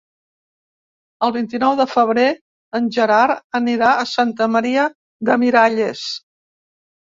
El vint-i-nou de febrer en Gerard anirà a Santa Maria de Miralles.